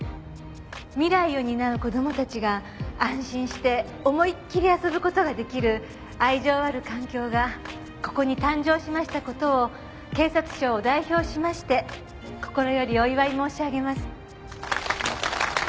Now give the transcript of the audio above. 「未来を担う子供たちが安心して思いっきり遊ぶ事が出来る愛情ある環境がここに誕生しました事を警察庁を代表しまして心よりお祝い申し上げます」